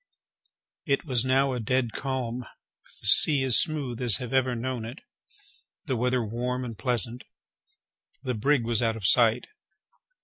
It was now a dead calm, with the sea as smooth as I have ever known it,—the weather warm and pleasant. The brig was out of sight.